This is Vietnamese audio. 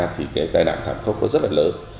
thì cái tai đạm thảm khốc rất là lớn